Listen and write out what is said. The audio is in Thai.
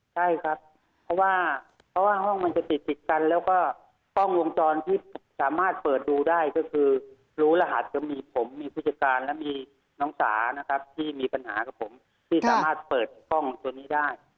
ใช่ครับเพราะว่าเพราะว่าห้องมันจะติดติดกันแล้วก็กล้องวงจรที่สามารถเปิดดูได้ก็คือรู้รหัสก็มีผมมีผู้จัดการและมีน้องสานะครับที่มีปัญหากับผมที่สามารถเปิดกล้องตัวนี้ได้